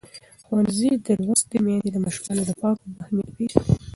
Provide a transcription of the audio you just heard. ښوونځې لوستې میندې د ماشومانو د پاکو اوبو اهمیت پېژني.